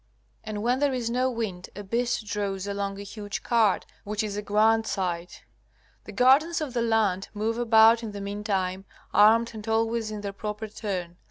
And when there is no wind a beast draws along a huge cart, which is a grand sight. The guardians of the land move about in the meantime, armed and always in their proper turn.